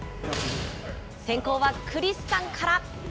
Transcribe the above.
先攻はクリスさんから。